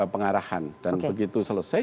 pengarahan dan begitu selesai